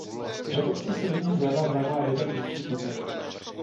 Před obcí se do něj zleva vlévá jeden menší potok.